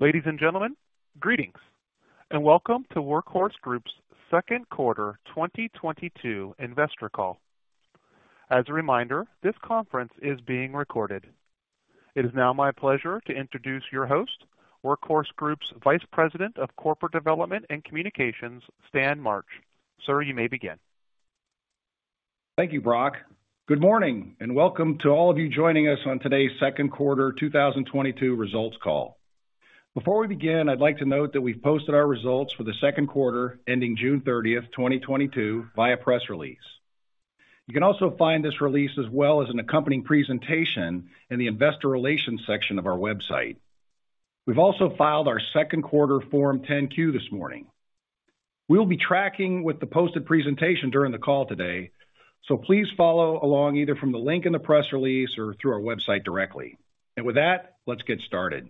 Ladies and gentlemen, greetings, and welcome to Workhorse Group's Second Quarter 2022 Investor Call. As a reminder, this conference is being recorded. It is now my pleasure to introduce your host, Workhorse Group's Vice President of Corporate Development and Communications, Stan March. Sir, you may begin. Thank you, Brock. Good morning, and welcome to all of you joining us on today's Second Quarter 2022 Results Call. Before we begin, I'd like to note that we've posted our results for the second quarter ending June 30th, 2022 via press release. You can also find this release as well as an accompanying presentation in the investor relations section of our website. We've also filed our second quarter Form 10-Q this morning. We'll be tracking with the posted presentation during the call today, so please follow along either from the link in the press release or through our website directly. With that, let's get started.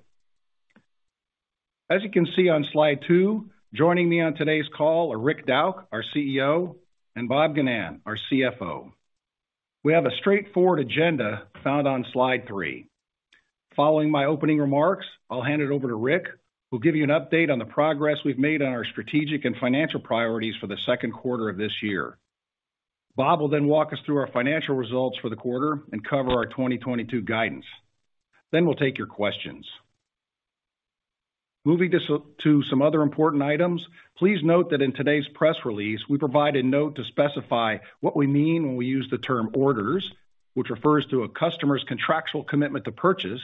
As you can see on slide two, joining me on today's call are Rick Dauch, our CEO, and Bob Ginnan, our CFO. We have a straightforward agenda found on slide three. Following my opening remarks, I'll hand it over to Rick, who'll give you an update on the progress we've made on our strategic and financial priorities for the second quarter of this year. Bob will then walk us through our financial results for the quarter and cover our 2022 guidance. We'll take your questions. Moving to some other important items, please note that in today's press release, we provide a note to specify what we mean when we use the term orders, which refers to a customer's contractual commitment to purchase,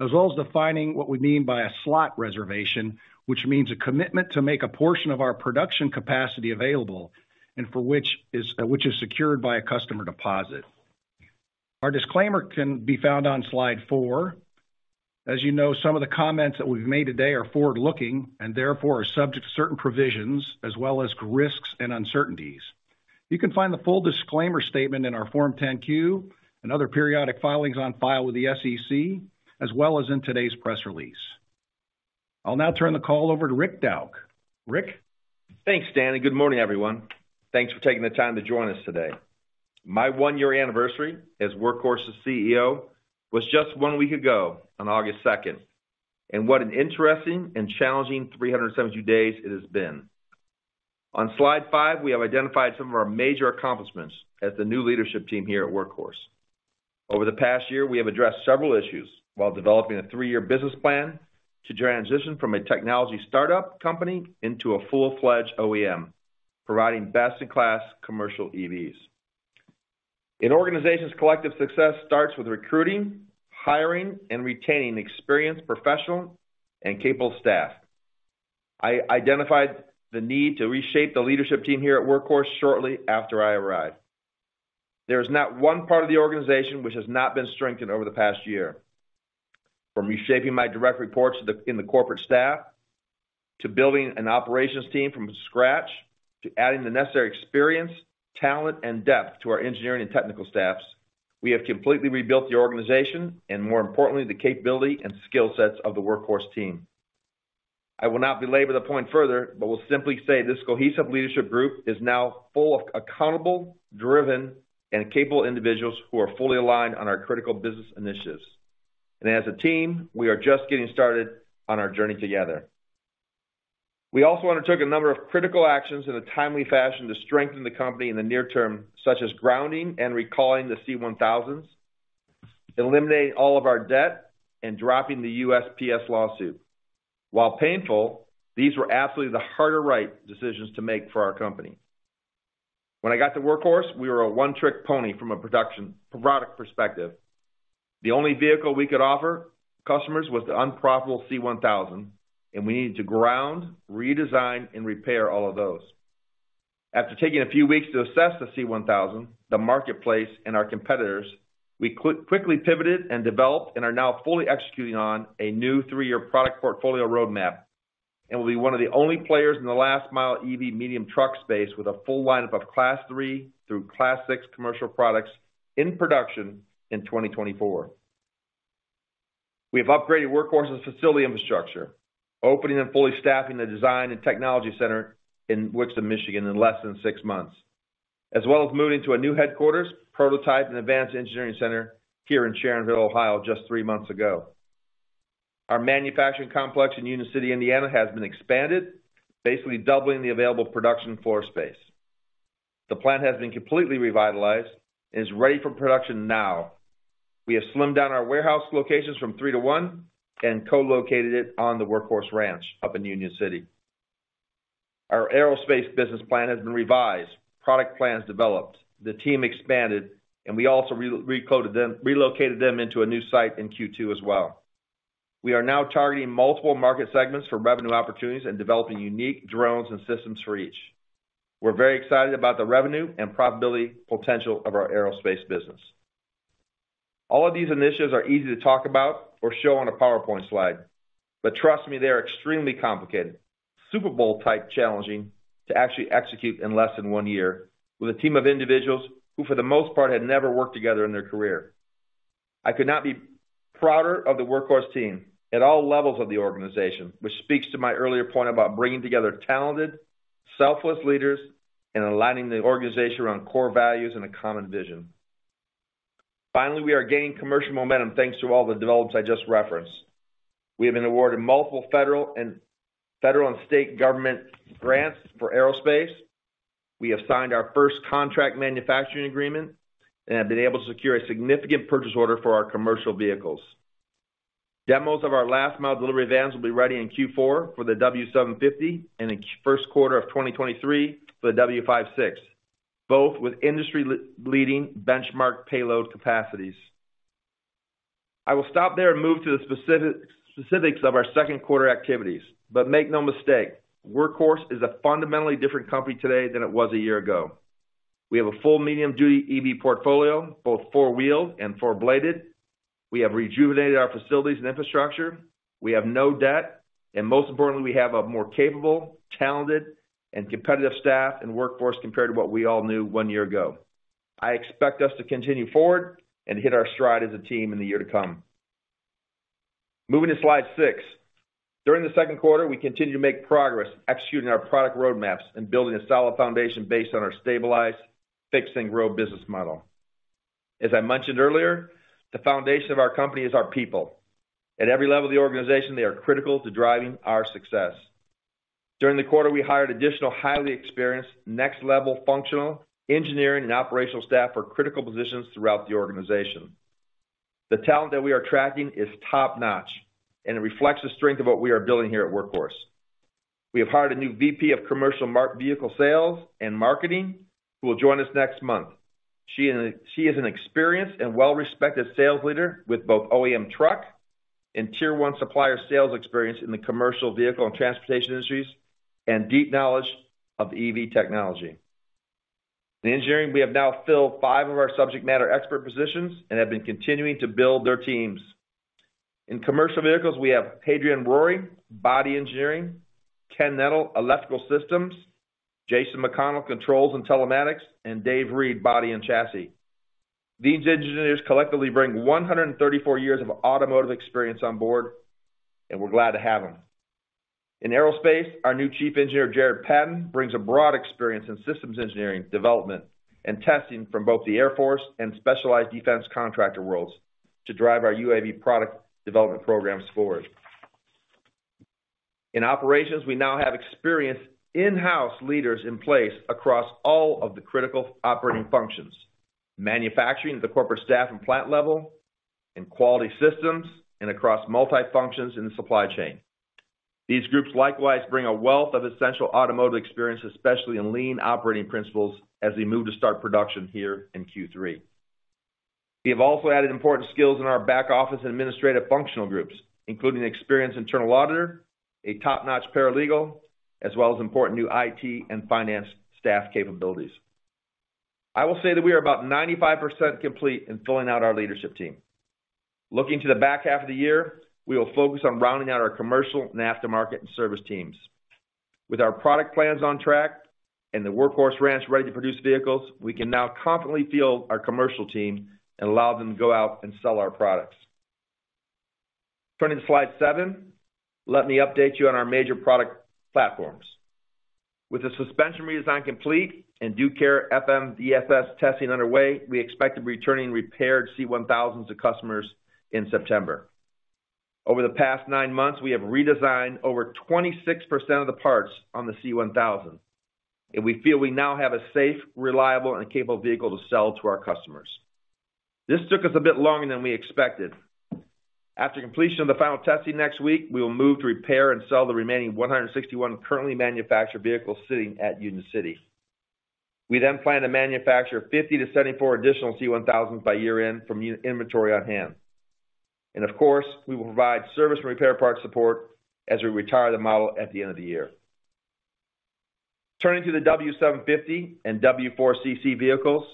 as well as defining what we mean by a slot reservation, which means a commitment to make a portion of our production capacity available, and which is secured by a customer deposit. Our disclaimer can be found on slide four. As you know, some of the comments that we've made today are forward-looking and therefore are subject to certain provisions as well as risks and uncertainties. You can find the full disclaimer statement in our Form 10-Q and other periodic filings on file with the SEC, as well as in today's press release. I'll now turn the call over to Rick Dauch. Rick? Thanks, Stan, and good morning, everyone. Thanks for taking the time to join us today. My one-year anniversary as Workhorse's CEO was just one week ago on August 2nd, and what an interesting and challenging 372 days it has been. On slide five, we have identified some of our major accomplishments as the new leadership team here at Workhorse. Over the past year, we have addressed several issues while developing a three-year business plan to transition from a technology startup company into a full-fledged OEM, providing best-in-class commercial EVs. An organization's collective success starts with recruiting, hiring, and retaining experienced professional and capable staff. I identified the need to reshape the leadership team here at Workhorse shortly after I arrived. There is not one part of the organization which has not been strengthened over the past year. From reshaping my direct reports to the corporate staff, to building an operations team from scratch, to adding the necessary experience, talent, and depth to our engineering and technical staffs, we have completely rebuilt the organization and more importantly, the capability and skill sets of the Workhorse team. I will not belabor the point further, but will simply say this cohesive leadership group is now full of accountable, driven, and capable individuals who are fully aligned on our critical business initiatives. As a team, we are just getting started on our journey together. We also undertook a number of critical actions in a timely fashion to strengthen the company in the near term, such as grounding and recalling the C-1000s, eliminating all of our debt, and dropping the USPS lawsuit. While painful, these were absolutely the harder right decisions to make for our company. When I got to Workhorse, we were a one-trick pony from a product perspective. The only vehicle we could offer customers was the unprofitable C-1000, and we needed to ground, redesign, and repair all of those. After taking a few weeks to assess the C-1000, the marketplace and our competitors, we quickly pivoted and developed and are now fully executing on a new three-year product portfolio roadmap and will be one of the only players in the last mile EV medium truck space with a full lineup of Class three through Class six commercial products in production in 2024. We have upgraded Workhorse's facility infrastructure, opening and fully staffing the design and technology center in Wixom, Michigan, in less than six months, as well as moving to a new headquarters, prototype, and advanced engineering center here in Sharonville, Ohio, just three months ago. Our manufacturing complex in Union City, Indiana, has been expanded, basically doubling the available production floor space. The plant has been completely revitalized and is ready for production now. We have slimmed down our warehouse locations from three to one and co-located it on the Workhorse Ranch up in Union City. Our aerospace business plan has been revised, product plans developed, the team expanded, and we also relocated them into a new site in Q2 as well. We are now targeting multiple market segments for revenue opportunities and developing unique drones and systems for each. We're very excited about the revenue and profitability potential of our aerospace business. All of these initiatives are easy to talk about or show on a PowerPoint slide, but trust me, they are extremely complicated, Super Bowl-type challenging to actually execute in less than one year with a team of individuals who for the most part, had never worked together in their career. I could not be prouder of the Workhorse team at all levels of the organization, which speaks to my earlier point about bringing together talented, selfless leaders and aligning the organization around core values and a common vision. Finally, we are gaining commercial momentum thanks to all the developments I just referenced. We have been awarded multiple federal and state government grants for aerospace. We have signed our first contract manufacturing agreement and have been able to secure a significant purchase order for our commercial vehicles. Demos of our last mile delivery vans will be ready in Q4 for the W750 and in Q1, first quarter of 2023 for the W56, both with industry-leading benchmark payload capacities. I will stop there and move to the specifics of our second quarter activities. Make no mistake, Workhorse is a fundamentally different company today than it was a year ago. We have a full medium duty EV portfolio, both four-wheeled and four-bladed. We have rejuvenated our facilities and infrastructure. We have no debt, and most importantly, we have a more capable, talented, and competitive staff and workforce compared to what we all knew one year ago. I expect us to continue forward and hit our stride as a team in the year to come. Moving to slide six. During the second quarter, we continued to make progress executing our product roadmaps and building a solid foundation based on our stabilized fix and grow business model. As I mentioned earlier, the foundation of our company is our people. At every level of the organization, they are critical to driving our success. During the quarter, we hired additional highly experienced next level functional engineering and operational staff for critical positions throughout the organization. The talent that we are tracking is top-notch, and it reflects the strength of what we are building here at Workhorse. We have hired a new VP of commercial vehicle sales and marketing who will join us next month. She is an experienced and well-respected sales leader with both OEM truck and tier one supplier sales experience in the commercial vehicle and transportation industries and deep knowledge of EV technology. In engineering, we have now filled five of our subject matter expert positions and have been continuing to build their teams. In commercial vehicles, we have Adrian Rory, body engineering, Ken Nettle, electrical systems, Jason McConnell, controls and telematics, and Dave Reed, body and chassis. These engineers collectively bring 134 years of automotive experience on board, and we're glad to have them. In aerospace, our new Chief Engineer, Jared Patton, brings a broad experience in systems engineering, development, and testing from both the Air Force and specialized defense contractor worlds to drive our UAV product development programs forward. In operations, we now have experienced in-house leaders in place across all of the critical operating functions, manufacturing at the corporate staff and plant level, in quality systems, and across multi-functions in the supply chain. These groups likewise bring a wealth of essential automotive experience, especially in lean operating principles, as we move to start production here in Q3. We have also added important skills in our back-office and administrative functional groups, including an experienced internal auditor, a top-notch paralegal, as well as important new IT and finance staff capabilities. I will say that we are about 95% complete in filling out our leadership team. Looking to the back half of the year, we will focus on rounding out our commercial, aftermarket, and service teams. With our product plans on track and the Workhorse ranch ready to produce vehicles, we can now confidently field our commercial team and allow them to go out and sell our products. Turning to slide seven, let me update you on our major product platforms. With the suspension redesign complete and due care FMVSS testing underway, we expect to be returning repaired C-1000 to customers in September. Over the past nine months, we have redesigned over 26% of the parts on the C-1000, and we feel we now have a safe, reliable, and capable vehicle to sell to our customers. This took us a bit longer than we expected. After completion of the final testing next week, we will move to repair and sell the remaining 161 currently manufactured vehicles sitting at Union City. We then plan to manufacture 50-74 additional C-1000 by year-end from used inventory on hand. Of course, we will provide service and repair part support as we retire the model at the end of the year. Turning to the W750 and W4CC vehicles,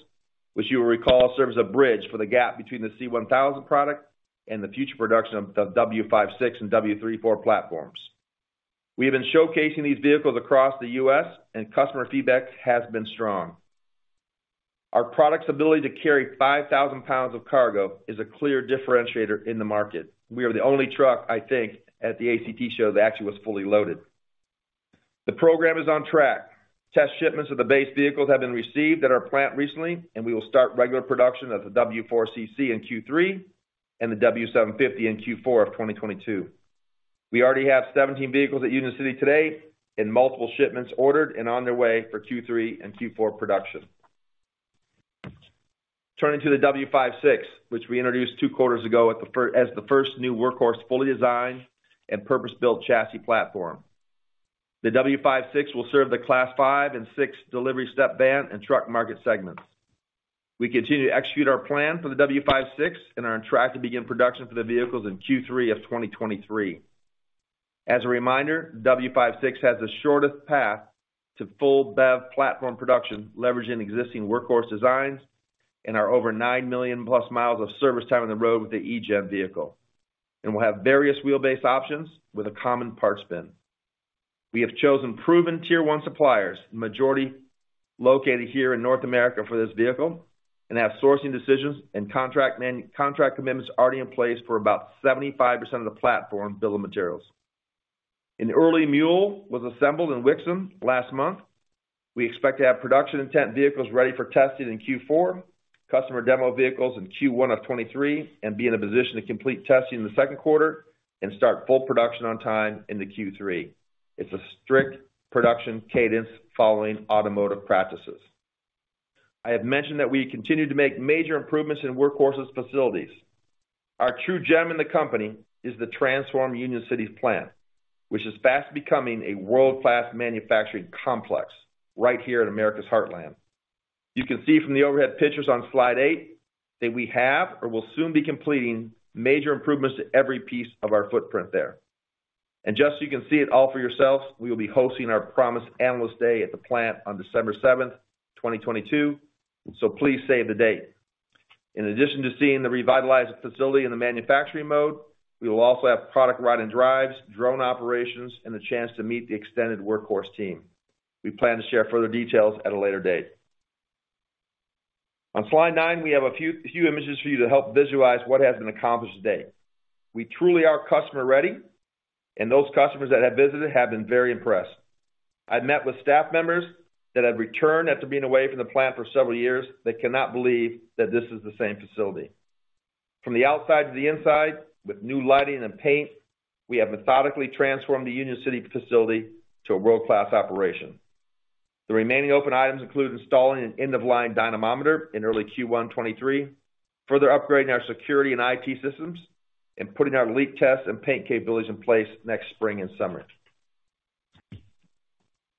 which you will recall serves a bridge for the gap between the C-1000 product and the future production of the W56 and W34 platforms. We have been showcasing these vehicles across the U.S., and customer feedback has been strong. Our product's ability to carry 5,000 lbs of cargo is a clear differentiator in the market. We are the only truck, I think, at the ACT show that actually was fully loaded. The program is on track. Test shipments of the base vehicles have been received at our plant recently, and we will start regular production of the W4CC in Q3 and the W750 in Q4 of 2022. We already have 17 vehicles at Union City today and multiple shipments ordered and on their way for Q3 and Q4 production. Turning to the W56, which we introduced two quarters ago at the first, as the first new Workhorse fully designed and purpose-built chassis platform. The W56 will serve the Class five and six delivery step van and truck market segments. We continue to execute our plan for the W56 and are on track to begin production for the vehicles in Q3 of 2023. As a reminder, W56 has the shortest path to full BEV platform production, leveraging existing Workhorse designs and our over 9 million-plus miles of service time on the road with the E-GEN vehicle. We'll have various wheelbase options with a common parts bin. We have chosen proven tier one suppliers, the majority located here in North America for this vehicle, and have sourcing decisions and contract commitments already in place for about 75% of the platform bill of materials. An early mule was assembled in Wixom last month. We expect to have production intent vehicles ready for testing in Q4, customer demo vehicles in Q1 of 2023, and be in a position to complete testing in the second quarter and start full production on time into Q3. It's a strict production cadence following automotive practices. I have mentioned that we continue to make major improvements in Workhorse's facilities. Our true gem in the company is the transformed Union City plant, which is fast becoming a world-class manufacturing complex right here in America's Heartland. You can see from the overhead pictures on slide eight that we have or will soon be completing major improvements to every piece of our footprint there. Just so you can see it all for yourselves, we will be hosting our Promise Analyst Day at the plant on December seventh, 2022, so please save the date. In addition to seeing the revitalized facility in the manufacturing mode, we will also have product ride and drives, drone operations, and the chance to meet the extended Workhorse team. We plan to share further details at a later date. On slide nine, we have a few images for you to help visualize what has been accomplished to date. We truly are customer-ready, and those customers that have visited have been very impressed. I've met with staff members that have returned after being away from the plant for several years. They cannot believe that this is the same facility. From the outside to the inside, with new lighting and paint, we have methodically transformed the Union City facility to a world-class operation. The remaining open items include installing an end-of-line dynamometer in early Q1 2023, further upgrading our security and IT systems, and putting our leak test and paint capabilities in place next spring and summer.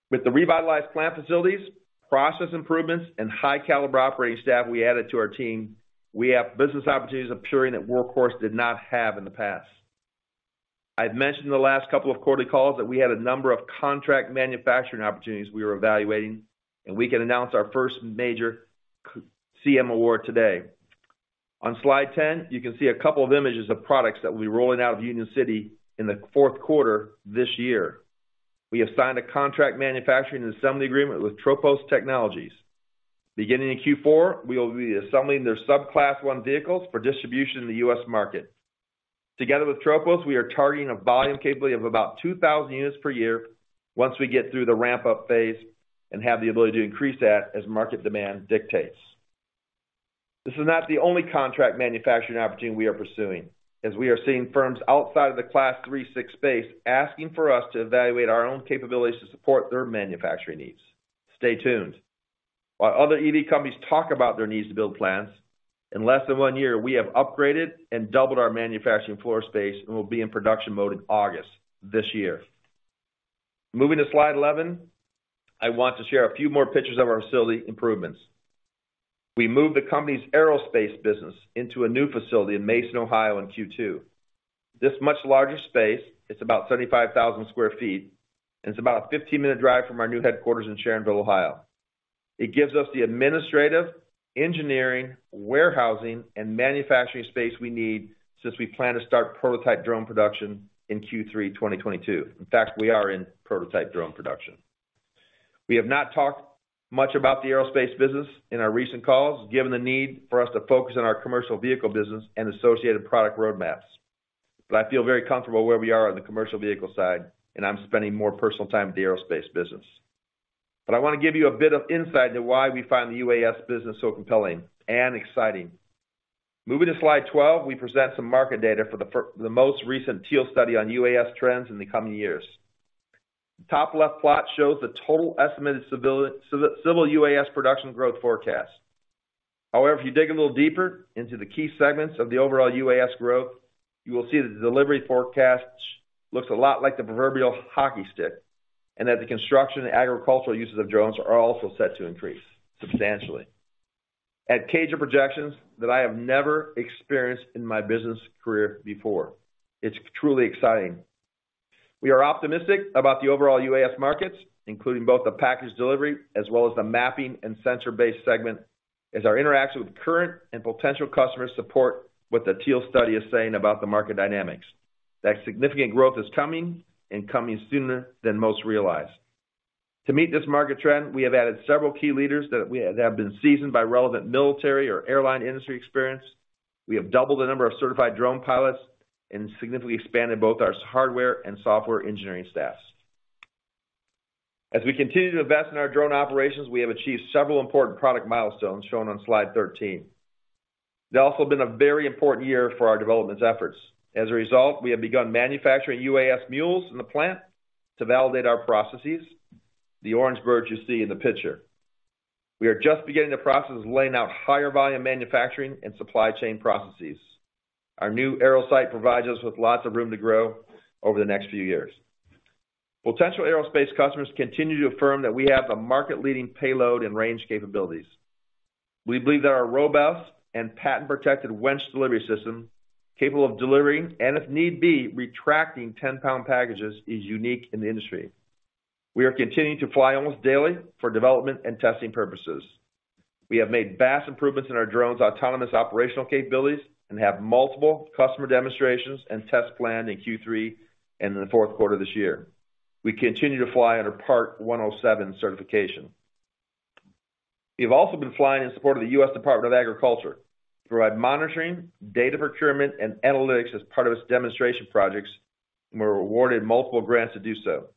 With the revitalized plant facilities, process improvements, and high caliber operating staff we added to our team, we have business opportunities appearing that Workhorse did not have in the past. I've mentioned in the last couple of quarterly calls that we had a number of contract manufacturing opportunities we were evaluating, and we can announce our first major CM award today. On slide 10, you can see a couple of images of products that will be rolling out of Union City in the fourth quarter this year. We have signed a contract manufacturing and assembly agreement with Tropos Technologies. Beginning in Q4, we will be assembling their sub Class one vehicles for distribution in the U.S. market. Together with Tropos, we are targeting a volume capability of about 2,000 units per year once we get through the ramp-up phase and have the ability to increase that as market demand dictates. This is not the only contract manufacturing opportunity we are pursuing, as we are seeing firms outside of the Class three-six space asking for us to evaluate our own capabilities to support their manufacturing needs. Stay tuned. While other EV companies talk about their needs to build plants, in less than one year, we have upgraded and doubled our manufacturing floor space and will be in production mode in August this year. Moving to slide 11, I want to share a few more pictures of our facility improvements. We moved the company's aerospace business into a new facility in Mason, Ohio in Q2. This much larger space, it's about 35,000 sq ft, and it's about a 15-minute drive from our new headquarters in Sharonville, Ohio. It gives us the administrative, engineering, warehousing, and manufacturing space we need since we plan to start prototype drone production in Q3 2022. In fact, we are in prototype drone production. We have not talked much about the aerospace business in our recent calls, given the need for us to focus on our commercial vehicle business and associated product roadmaps. I feel very comfortable where we are on the commercial vehicle side, and I'm spending more personal time with the aerospace business. I wanna give you a bit of insight to why we find the UAS business so compelling and exciting. Moving to slide 12, we present some market data for the most recent Teal study on UAS trends in the coming years. The top left plot shows the total estimated civil UAS production growth forecast. However, if you dig a little deeper into the key segments of the overall UAS growth, you will see that the delivery forecast looks a lot like the proverbial hockey stick, and that the construction and agricultural uses of drones are also set to increase substantially at CAGR projections that I have never experienced in my business career before. It's truly exciting. We are optimistic about the overall UAS markets, including both the package delivery as well as the mapping and sensor-based segment, as our interaction with current and potential customers support what the Teal study is saying about the market dynamics, that significant growth is coming and coming sooner than most realize. To meet this market trend, we have added several key leaders that have been seasoned by relevant military or airline industry experience. We have doubled the number of certified drone pilots and significantly expanded both our hardware and software engineering staffs. As we continue to invest in our drone operations, we have achieved several important product milestones shown on slide 13. It's also been a very important year for our development efforts. As a result, we have begun manufacturing UAS mules in the plant to validate our processes, the orange bird you see in the picture. We are just beginning the process of laying out higher volume manufacturing and supply chain processes. Our new aero site provides us with lots of room to grow over the next few years. Potential aerospace customers continue to affirm that we have the market-leading payload and range capabilities. We believe that our robust and patent-protected winch delivery system, capable of delivering, and if need be, retracting 10-lb packages, is unique in the industry. We are continuing to fly almost daily for development and testing purposes. We have made vast improvements in our drone's autonomous operational capabilities and have multiple customer demonstrations and tests planned in Q3 and in the fourth quarter this year. We continue to fly under Part 107 certification. We have also been flying in support of the U.S. Department of Agriculture to provide monitoring, data procurement and analytics as part of its demonstration projects, and we're awarded multiple grants to do so.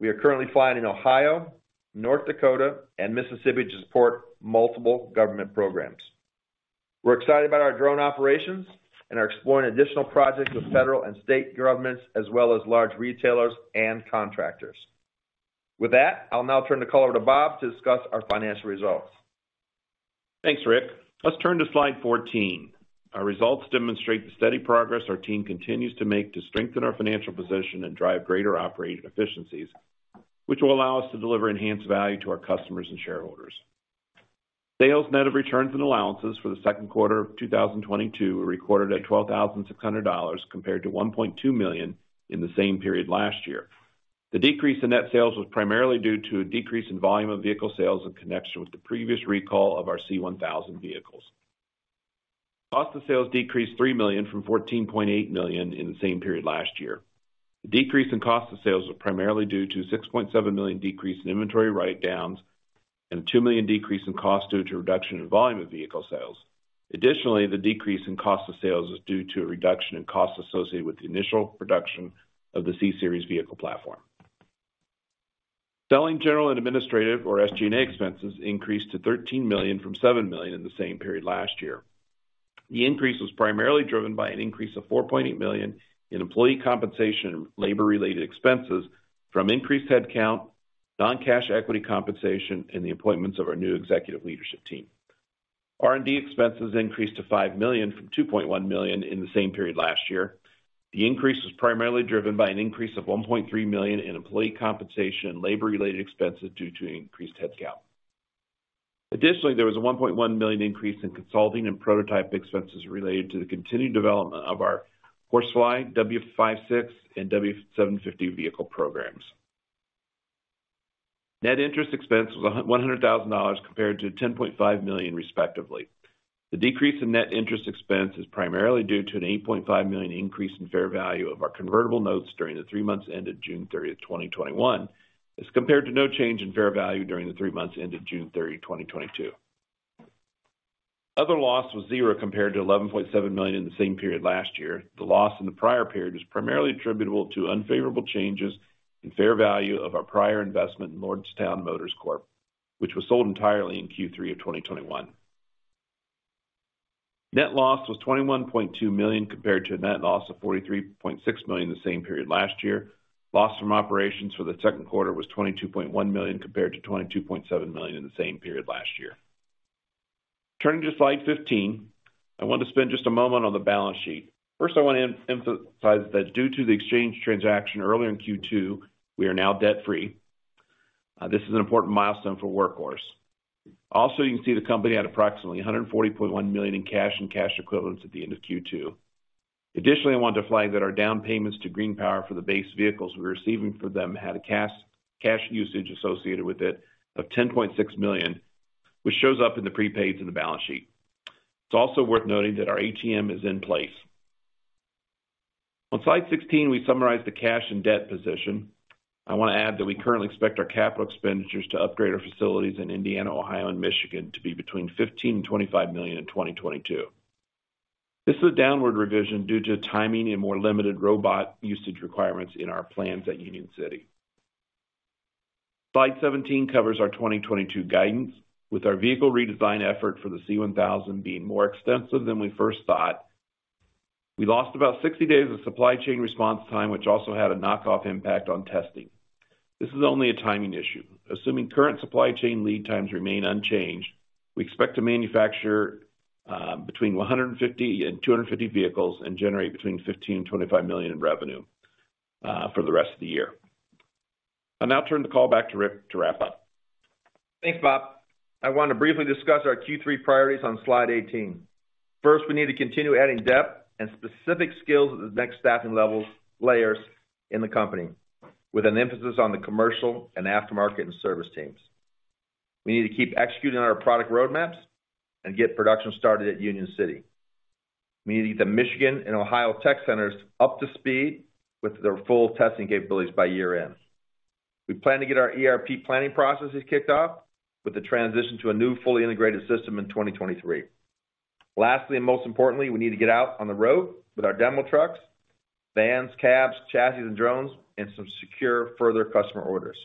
We are currently flying in Ohio, North Dakota, and Mississippi to support multiple government programs. We're excited about our drone operations and are exploring additional projects with federal and state governments, as well as large retailers and contractors. With that, I'll now turn the call over to Bob to discuss our financial results. Thanks, Rick. Let's turn to slide 14. Our results demonstrate the steady progress our team continues to make to strengthen our financial position and drive greater operational efficiencies, which will allow us to deliver enhanced value to our customers and shareholders. Sales net of returns and allowances for the second quarter of 2022 were recorded at $12,600 compared to $1.2 million in the same period last year. The decrease in net sales was primarily due to a decrease in volume of vehicle sales in connection with the previous recall of our C-1000 vehicles. Cost of sales decreased $3 million from $14.8 million in the same period last year. The decrease in cost of sales was primarily due to $6.7 million decrease in inventory write-downs and $2 million decrease in cost due to reduction in volume of vehicle sales. Additionally, the decrease in cost of sales was due to a reduction in costs associated with the initial production of the C-Series vehicle platform. Selling, general, and administrative or SG&A expenses increased to $13 million from $7 million in the same period last year. The increase was primarily driven by an increase of $4.8 million in employee compensation and labor-related expenses from increased headcount, non-cash equity compensation, and the appointments of our new executive leadership team. R&D expenses increased to $5 million from $2.1 million in the same period last year. The increase was primarily driven by an increase of $1.3 million in employee compensation and labor-related expenses due to increased headcount. Additionally, there was a $1.1 million increase in consulting and prototype expenses related to the continued development of our HorseFly, W56, and W750 vehicle programs. Net interest expense was $100,000 compared to $10.5 million respectively. The decrease in net interest expense is primarily due to an $8.5 million increase in fair value of our convertible notes during the three months ended June 30, 2021, as compared to no change in fair value during the three months ended June 30, 2022. Other loss was zero compared to $11.7 million in the same period last year. The loss in the prior period was primarily attributable to unfavorable changes in fair value of our prior investment in Lordstown Motors Corp, which was sold entirely in Q3 of 2021. Net loss was $21.2 million compared to a net loss of $43.6 million in the same period last year. Loss from operations for the second quarter was $22.1 million compared to $22.7 million in the same period last year. Turning to slide 15, I want to spend just a moment on the balance sheet. First, I want to emphasize that due to the exchange transaction earlier in Q2, we are now debt-free. This is an important milestone for Workhorse. Also, you can see the company had approximately $140.1 million in cash and cash equivalents at the end of Q2. Additionally, I want to flag that our down payments to GreenPower for the base vehicles we're receiving from them had a cash usage associated with it of $10.6 million, which shows up in the prepaids in the balance sheet. It's also worth noting that our ATM is in place. On slide 16, we summarize the cash and debt position. I wanna add that we currently expect our capital expenditures to upgrade our facilities in Indiana, Ohio, and Michigan to be between $15 million and $25 million in 2022. This is a downward revision due to timing and more limited robot usage requirements in our plans at Union City. Slide 17 covers our 2022 guidance, with our vehicle redesign effort for the C-1000 being more extensive than we first thought. We lost about 60 days of supply chain response time, which also had a knock-on impact on testing. This is only a timing issue. Assuming current supply chain lead times remain unchanged, we expect to manufacture between 150 and 250 vehicles and generate between $15 million and $25 million in revenue for the rest of the year. I'll now turn the call back to Rick to wrap up. Thanks, Bob. I want to briefly discuss our Q3 priorities on slide 18. First, we need to continue adding depth and specific skills at the next staffing levels, layers in the company, with an emphasis on the commercial and aftermarket and service teams. We need to keep executing on our product roadmaps and get production started at Union City. We need to get the Michigan and Ohio tech centers up to speed with their full testing capabilities by year-end. We plan to get our ERP planning processes kicked off with the transition to a new fully integrated system in 2023. Lastly, and most importantly, we need to get out on the road with our demo trucks, vans, cabs, chassis, and drones, and secure further customer orders.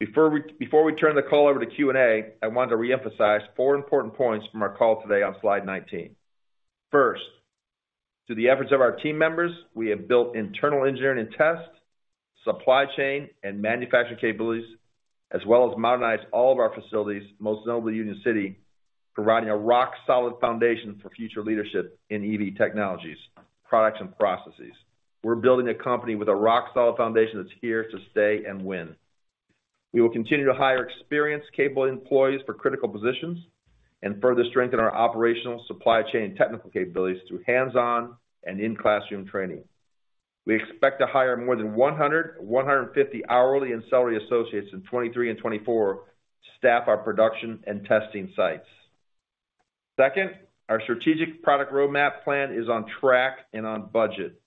Before we turn the call over to Q&A, I wanted to reemphasize four important points from our call today on slide 19. First, through the efforts of our team members, we have built internal engineering and test, supply chain and manufacturing capabilities, as well as modernized all of our facilities, most notably Union City, providing a rock-solid foundation for future leadership in EV technologies, products, and processes. We're building a company with a rock-solid foundation that's here to stay and win. We will continue to hire experienced, capable employees for critical positions and further strengthen our operational supply chain and technical capabilities through hands-on and in-classroom training. We expect to hire more than 150 hourly and salary associates in 2023 and 2024 to staff our production and testing sites. Second, our strategic product roadmap plan is on track and on budget.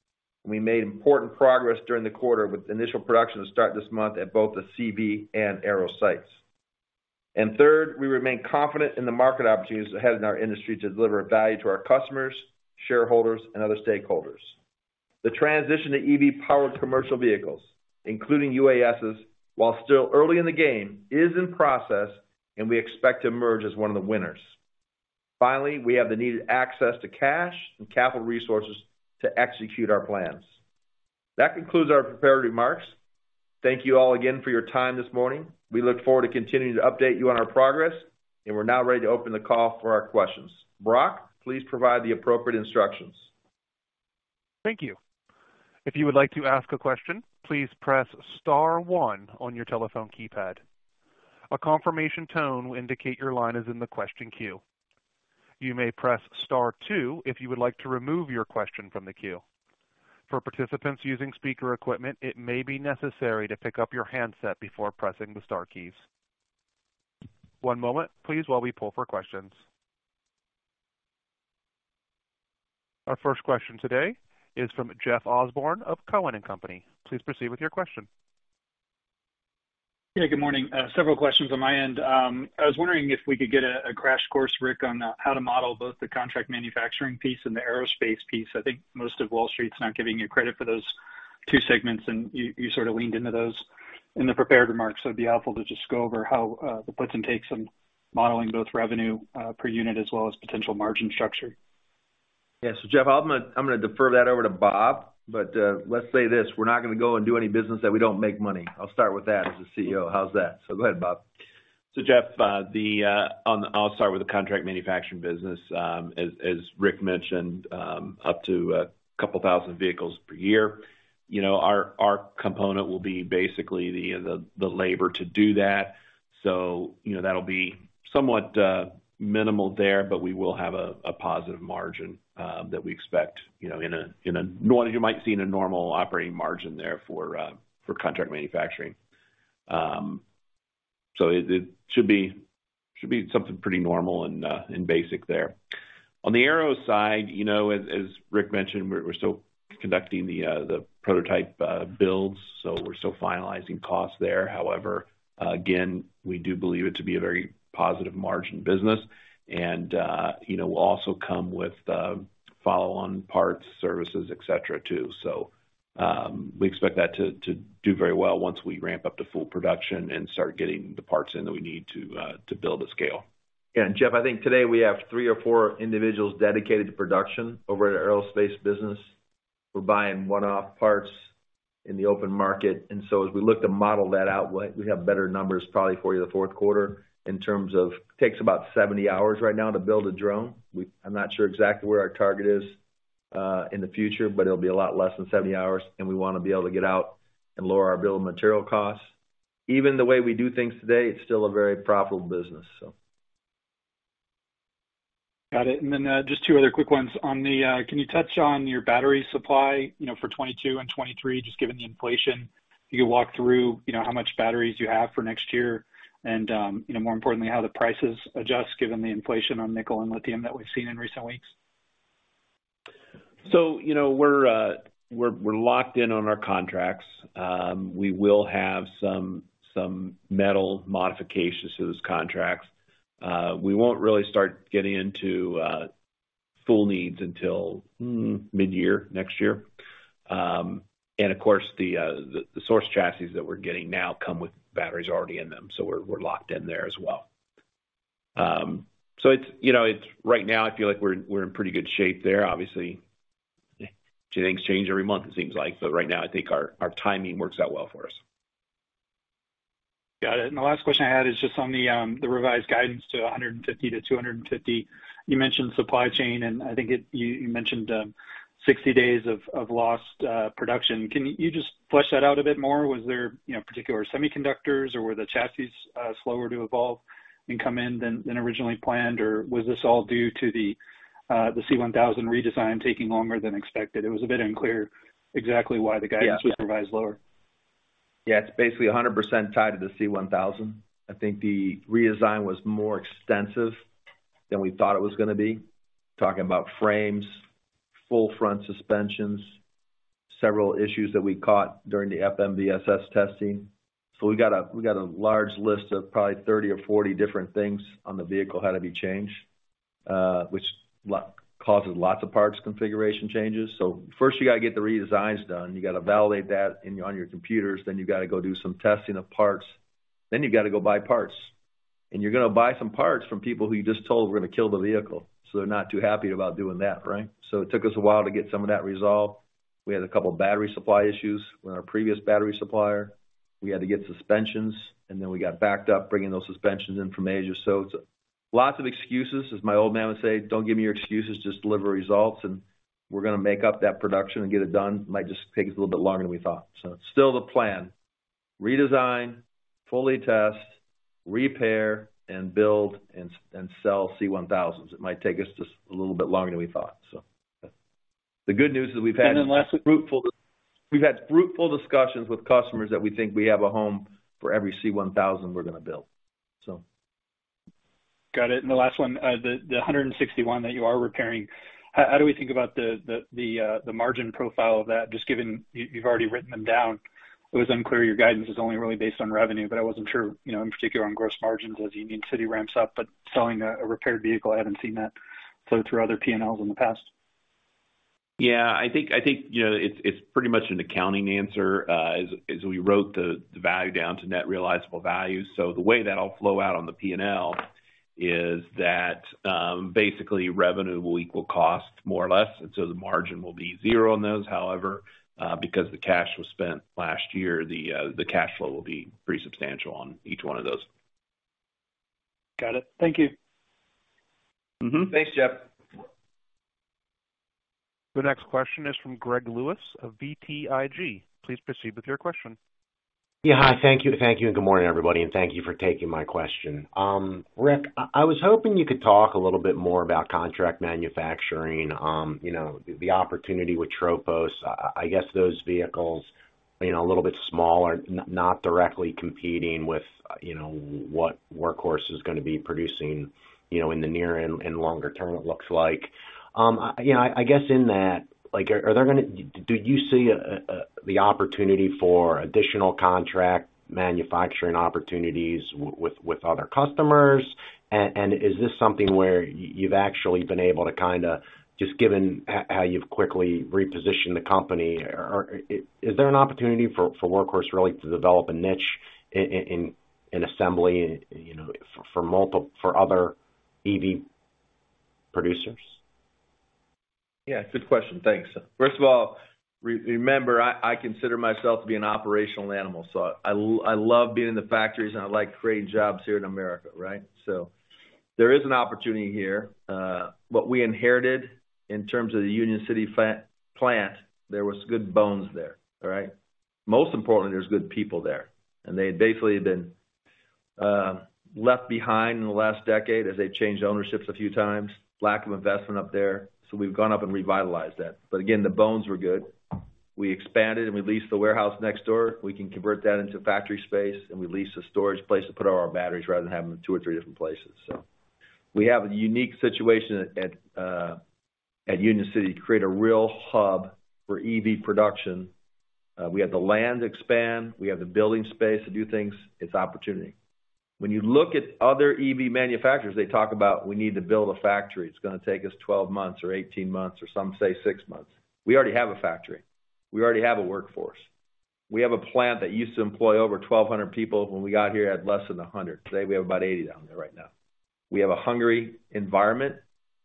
We made important progress during the quarter with initial production to start this month at both the CV and aero sites. Third, we remain confident in the market opportunities ahead in our industry to deliver value to our customers, shareholders, and other stakeholders. The transition to EV-powered commercial vehicles, including UASs, while still early in the game, is in process, and we expect to emerge as one of the winners. Finally, we have the needed access to cash and capital resources to execute our plans. That concludes our prepared remarks. Thank you all again for your time this morning. We look forward to continuing to update you on our progress, and we're now ready to open the call for our questions. Brock, please provide the appropriate instructions. Thank you. If you would like to ask a question, please press star one on your telephone keypad. A confirmation tone will indicate your line is in the question queue. You may press star two if you would like to remove your question from the queue. For participants using speaker equipment, it may be necessary to pick up your handset before pressing the star keys. One moment please while we poll for questions. Our first question today is from Jeff Osborne of Cowen and Company. Please proceed with your question. Yeah, good morning. Several questions on my end. I was wondering if we could get a crash course, Rick, on how to model both the contract manufacturing piece and the aerospace piece. I think most of Wall Street's not giving you credit for those two segments, and you sort of leaned into those in the prepared remarks. It'd be helpful to just go over how the puts and takes on modeling both revenue per unit as well as potential margin structure. Yeah. Jeff, I'm gonna defer that over to Bob, but let's say this, we're not gonna go and do any business that we don't make money. I'll start with that as the CEO. How's that? Go ahead, Bob. Jeff, I'll start with the contract manufacturing business. As Rick mentioned, up to 2,000 vehicles per year. You know, our component will be basically the labor to do that. You know, that'll be somewhat minimal there, but we will have a positive margin that we expect, you know, in what you might see in a normal operating margin there for contract manufacturing. It should be something pretty normal and basic there. On the aero side, you know, as Rick Dauch mentioned, we're still conducting the prototype builds, so we're still finalizing costs there. However, again, we do believe it to be a very positive margin business and, you know, will also come with follow-on parts, services, et cetera too. We expect that to do very well once we ramp up to full production and start getting the parts in that we need to build a scale. Yeah. Jeff, I think today we have three or four individuals dedicated to production over at our aerospace business. We're buying one-off parts in the open market. As we look to model that out, we have better numbers probably for you the fourth quarter in terms of takes about 70 hours right now to build a drone. I'm not sure exactly where our target is in the future, but it'll be a lot less than 70 hours, and we wanna be able to get out and lower our bill of material costs. Even the way we do things today, it's still a very profitable business. Got it. Just two other quick ones. On the, can you touch on your battery supply, you know, for 2022 and 2023, just given the inflation? You could walk through, you know, how much batteries you have for next year and, you know, more importantly, how the prices adjust given the inflation on nickel and lithium that we've seen in recent weeks. You know, we're locked in on our contracts. We will have some minor modifications to those contracts. We won't really start getting into full needs until mid-year next year. Of course the sourced chassis that we're getting now come with batteries already in them, so we're locked in there as well. It's, you know, it's right now I feel like we're in pretty good shape there. Obviously, two things change every month, it seems like. Right now I think our timing works out well for us. Got it. The last question I had is just on the revised guidance to 150-250. You mentioned supply chain, and I think you mentioned 60 days of lost production. Can you just flesh that out a bit more? Was there, you know, particular semiconductors or were the chassis slower to evolve and come in than originally planned? Or was this all due to the C-1000 redesign taking longer than expected? It was a bit unclear exactly why the guidance. Yeah. was revised lower. Yeah. It's basically 100% tied to the C-1000. I think the redesign was more extensive than we thought it was gonna be. Talking about frames, full front suspensions, several issues that we caught during the FMVSS testing. We got a large list of probably 30 or 40 different things on the vehicle had to be changed, which causes lots of parts configuration changes. First you gotta get the redesigns done. You gotta validate that in on your computers. Then you gotta go do some testing of parts. Then you gotta go buy parts. And you're gonna buy some parts from people who you just told we're gonna kill the vehicle, so they're not too happy about doing that, right? It took us a while to get some of that resolved. We had a couple of battery supply issues with our previous battery supplier. We had to get suspensions, and then we got backed up bringing those suspensions in from Asia. It's lots of excuses. As my old man would say, "Don't give me your excuses, just deliver results." We're gonna make up that production and get it done. It might just take us a little bit longer than we thought. Still the plan, redesign, fully test, repair and build and sell C-1000s. It might take us just a little bit longer than we thought, yeah. The good news is we've had- Lastly. We've had fruitful discussions with customers that we think we have a home for every C-1000 we're gonna build, so. Got it. The last one, the 161 that you are repairing, how do we think about the margin profile of that, just given you've already written them down? It was unclear. Your guidance is only really based on revenue, but I wasn't sure, you know, in particular on gross margins as Union City ramps up. Selling a repaired vehicle, I haven't seen that flow through other P&Ls in the past. Yeah, I think, you know, it's pretty much an accounting answer. As we wrote the value down to net realizable values. The way that'll flow out on the P&L is that, basically revenue will equal cost more or less, and so the margin will be zero on those. However, because the cash was spent last year, the cash flow will be pretty substantial on each one of those. Got it. Thank you. Mm-hmm. Thanks, Jeff. The next question is from Greg Lewis of BTIG. Please proceed with your question. Yeah. Hi. Thank you. Thank you, and good morning, everybody, and thank you for taking my question. Rick, I was hoping you could talk a little bit more about contract manufacturing. You know, the opportunity with Tropos. I guess those vehicles, you know, a little bit smaller, not directly competing with, you know, what Workhorse is gonna be producing, you know, in the near and longer term, it looks like. You know, I guess in that, like are there gonna. Do you see the opportunity for additional contract manufacturing opportunities with other customers? And is this something where you've actually been able to kinda just given how you've quickly repositioned the company, or is there an opportunity for Workhorse really to develop a niche in assembly, you know, for multiple other EV producers? Yeah, good question. Thanks. First of all, remember, I consider myself to be an operational animal, so I love being in the factories, and I like creating jobs here in America, right? There is an opportunity here. What we inherited in terms of the Union City plant, there was good bones there, all right? Most importantly, there's good people there, and they had basically been left behind in the last decade as they changed ownerships a few times, lack of investment up there. We've gone up and revitalized that. Again, the bones were good. We expanded and we leased the warehouse next door. We can convert that into factory space, and we leased a storage place to put all our batteries rather than have them in two or three different places. We have a unique situation at Union City to create a real hub for EV production. We have the land to expand, we have the building space to do things. It's opportunity. When you look at other EV manufacturers, they talk about we need to build a factory. It's gonna take us 12 months or 18 months, or some say six months. We already have a factory. We already have a workforce. We have a plant that used to employ over 1,200 people. When we got here, it had less than 100. Today, we have about 80 down there right now. We have a hungry environment.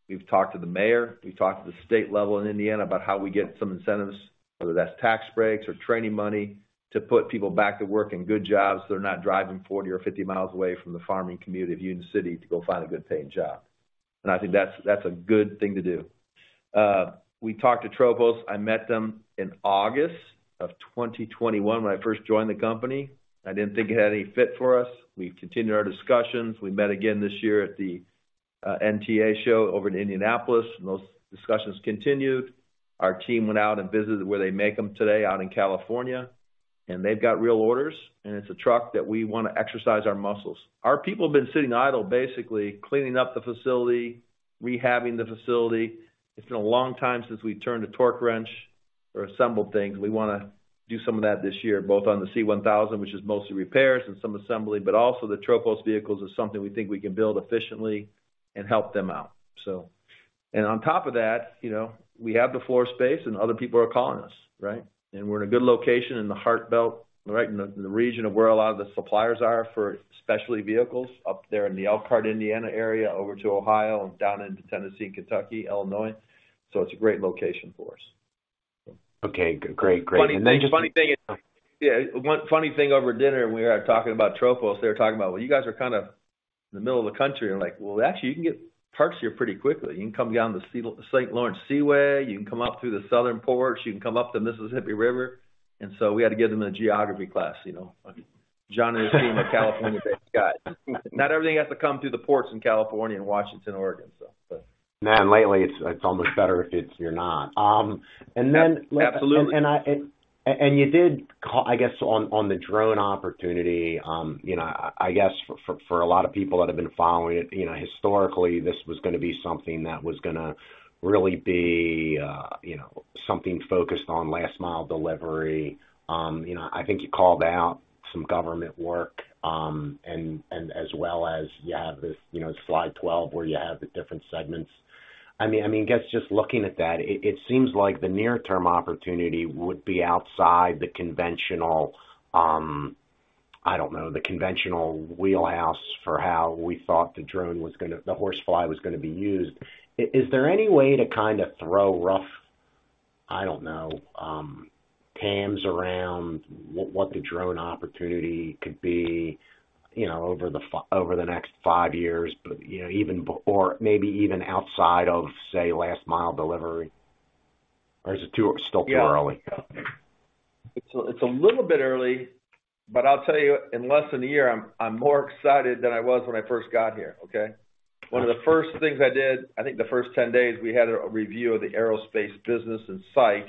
We've talked to the mayor, we've talked to the state level in Indiana about how we get some incentives, whether that's tax breaks or training money, to put people back to work in good jobs, so they're not driving 40 mi or 50 mi away from the farming community of Union City to go find a good paying job. I think that's a good thing to do. We talked to Tropos. I met them in August of 2021 when I first joined the company. I didn't think it had any fit for us. We continued our discussions. We met again this year at the NTEA show over in Indianapolis, and those discussions continued. Our team went out and visited where they make them today out in California, and they've got real orders, and it's a truck that we wanna exercise our muscles. Our people have been sitting idle, basically cleaning up the facility, rehabbing the facility. It's been a long time since we turned a torque wrench or assembled things. We wanna do some of that this year, both on the C-1000, which is mostly repairs and some assembly, but also the Tropos vehicles is something we think we can build efficiently and help them out, so. On top of that, you know, we have the floor space and other people are calling us, right? We're in a good location in the heart belt, right in the region of where a lot of the suppliers are for specialty vehicles up there in the Elkhart, Indiana area, over to Ohio and down into Tennessee, Kentucky, Illinois. It's a great location for us. Okay. Great. Funny thing, yeah, one funny thing over dinner, when we were out talking about Tropos, they were talking about, "Well, you guys are kind of in the middle of the country." We're like, "Well, actually, you can get trucks here pretty quickly. You can come down the St. Lawrence Seaway. You can come up through the southern ports. You can come up the Mississippi River." And so we had to give them a geography class, you know? John and his team are California-based guys. Not everything has to come through the ports in California and Washington, Oregon, so. No. Lately it's almost better if it's you're not. Absolutely. You did call, I guess, on the drone opportunity. You know, I guess for a lot of people that have been following it, you know, historically this was gonna be something that was gonna really be, you know, something focused on last mile delivery. You know, I think you called out some government work, and as well as you have this, you know, slide 12 where you have the different segments. I mean, I guess just looking at that, it seems like the near term opportunity would be outside the conventional, I don't know, the conventional wheelhouse for how we thought the HorseFly was gonna be used. Is there any way to kind of throw rough, I don't know, TAMs around what the drone opportunity could be, you know, over the next five years, but, you know, even before maybe even outside of, say, last mile delivery? Or is it still too early? It's a little bit early, but I'll tell you, in less than a year, I'm more excited than I was when I first got here, okay? One of the first things I did, I think the first 10 days, we had a review of the aerospace business and site.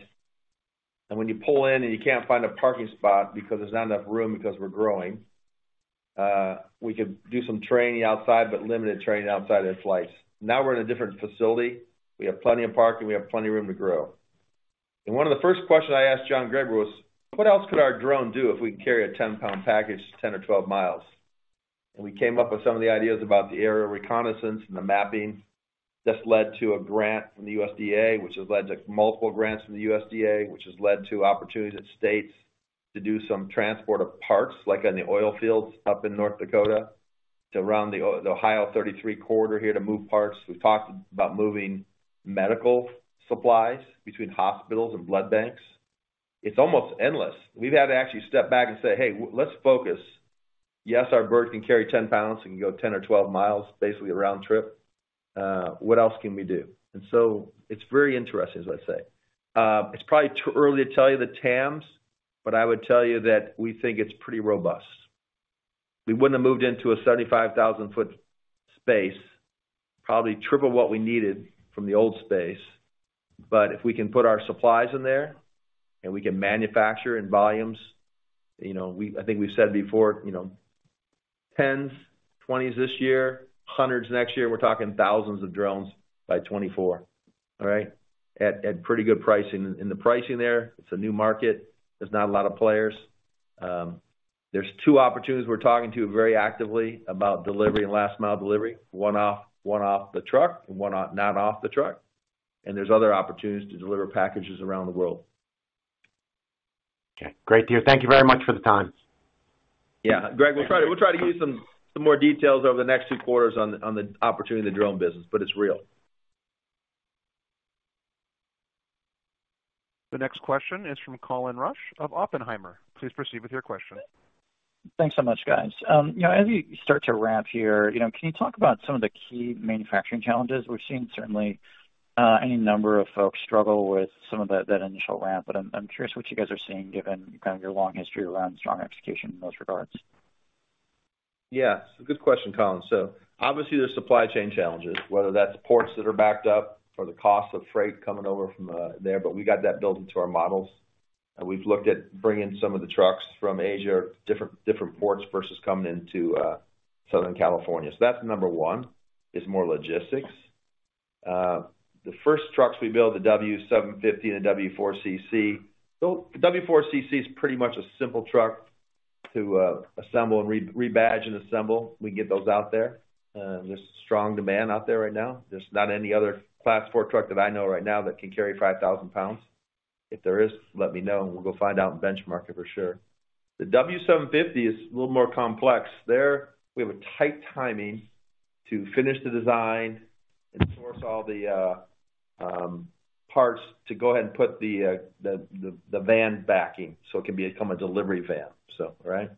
When you pull in and you can't find a parking spot because there's not enough room because we're growing, we could do some training outside, but limited training outside of flights. Now we're in a different facility. We have plenty of parking, we have plenty of room to grow. One of the first questions I asked John Graber was, "What else could our drone do if we carry a 10-lb package 10 mi or 12 mi?" We came up with some of the ideas about the aerial reconnaissance and the mapping. This led to a grant from the USDA, which has led to multiple grants from the USDA, which has led to opportunities at states to do some transport of parts, like on the oil fields up in North Dakota, to around the Ohio 33 corridor here to move parts. We've talked about moving medical supplies between hospitals and blood banks. It's almost endless. We've had to actually step back and say, "Hey, let's focus. Yes, our bird can carry 10 lbs. It can go 10 mi or 12 mi, basically a round trip. What else can we do?" It's very interesting, as I say. It's probably too early to tell you the TAMs, but I would tell you that we think it's pretty robust. We wouldn't have moved into a 75,000 sq ft space, probably triple what we needed from the old space. If we can put our supplies in there and we can manufacture in volumes, you know, I think we've said before, you know, 10s, 20s this year, hundreds next year. We're talking thousands of drones by 2024. All right. At pretty good pricing. The pricing there, it's a new market. There's not a lot of players. There's two opportunities we're talking very actively about delivery and last mile delivery. One off the truck and one not off the truck. There's other opportunities to deliver packages around the world. Okay, great. Thank you very much for your time. Yeah. Greg, we'll try to give you some more details over the next two quarters on the opportunity in the drone business, but it's real. The next question is from Colin Rusch of Oppenheimer. Please proceed with your question. Thanks so much, guys. You know, as you start to ramp here, you know, can you talk about some of the key manufacturing challenges? We've seen certainly any number of folks struggle with some of that initial ramp, but I'm curious what you guys are seeing given kind of your long history around strong execution in those regards. Yeah, it's a good question, Colin. Obviously, there's supply chain challenges, whether that's ports that are backed up or the cost of freight coming over from there, but we got that built into our models. We've looked at bringing some of the trucks from Asia, different ports versus coming into Southern California. That's number one, more logistics. The first trucks we build, the W750 and W4CC. W4CC is pretty much a simple truck to assemble and rebadge and assemble. We can get those out there. There's strong demand out there right now. There's not any other Class four truck that I know right now that can carry 5,000 lbs. If there is, let me know, and we'll go find out and benchmark it for sure. The W750 is a little more complex. There we have a tight timing to finish the design and source all the parts to go ahead and put the van backing so it can become a delivery van, so all right.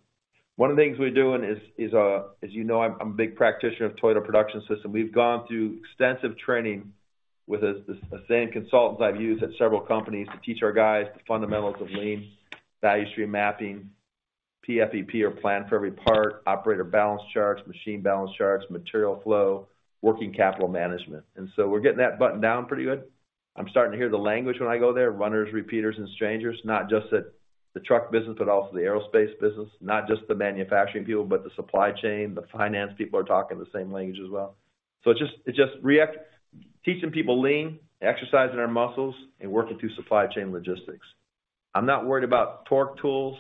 One of the things we're doing is, as you know, I'm a big practitioner of Toyota Production System. We've gone through extensive training with the same consultants I've used at several companies to teach our guys the fundamentals of lean, value stream mapping, PFEP or plan for every part, operator balance charts, machine balance charts, material flow, working capital management. We're getting that buttoned down pretty good. I'm starting to hear the language when I go there, runners, repeaters, and strangers, not just at the truck business, but also the aerospace business. Not just the manufacturing people, but the supply chain, the finance people are talking the same language as well. Teaching people lean, exercising our muscles, and working through supply chain logistics. I'm not worried about torque tools.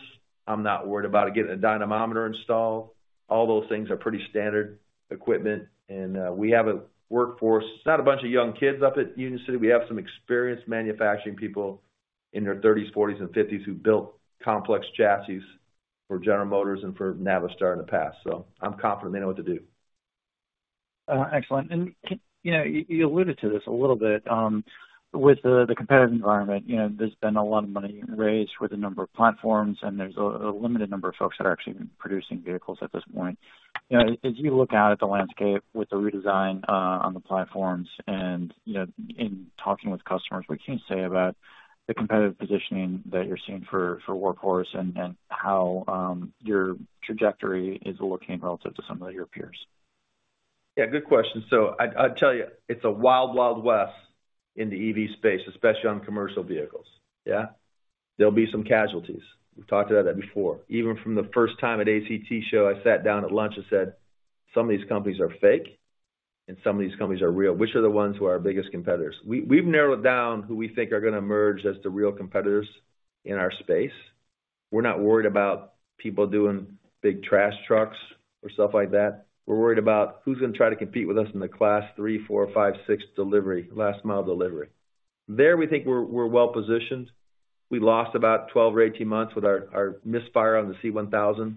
I'm not worried about getting a dynamometer installed. All those things are pretty standard equipment, and we have a workforce. It's not a bunch of young kids up at Union City. We have some experienced manufacturing people in their thirties, forties, and fifties who built complex chassis for General Motors and for Navistar in the past. I'm confident they know what to do. Excellent. You know, you alluded to this a little bit, with the competitive environment. You know, there's been a lot of money raised with a number of platforms, and there's a limited number of folks that are actually producing vehicles at this point. You know, as you look out at the landscape with the redesign on the platforms and, you know, in talking with customers, what can you say about the competitive positioning that you're seeing for Workhorse and how your trajectory is looking relative to some of your peers? Yeah, good question. I'd tell you, it's a wild west in the EV space, especially on commercial vehicles. Yeah. There'll be some casualties. We've talked about that before. Even from the first time at ACT show, I sat down at lunch and said, "Some of these companies are fake, and some of these companies are real. Which are the ones who are our biggest competitors?" We've narrowed it down who we think are gonna emerge as the real competitors in our space. We're not worried about people doing big trash trucks or stuff like that. We're worried about who's gonna try to compete with us in the class three, four, five, six delivery, last mile delivery. There, we think we're well-positioned. We lost about 12 or 18 months with our misfire on the C-1000,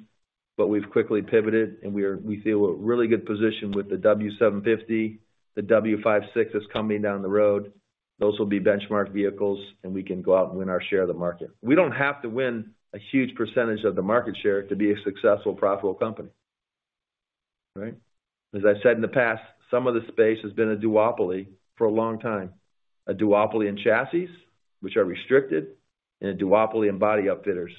but we've quickly pivoted, and we feel we're in a really good position with the W750. The W56 that's coming down the road. Those will be benchmark vehicles, and we can go out and win our share of the market. We don't have to win a huge percentage of the market share to be a successful, profitable company. Right? As I said in the past, some of the space has been a duopoly for a long time. A duopoly in chassis, which are restricted, and a duopoly in body upfitters,